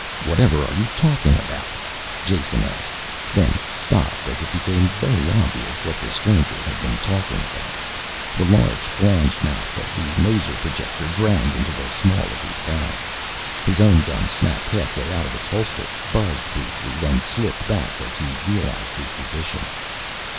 "Whatever are you talking about ..." Jason asked, then stopped as it became very obvious what the stranger had been talking about. The large, flanged mouth of the maser projector ground into the small of his back. His own gun snapped halfway out of its holster, buzzed briefly, then slipped back as he realized his position.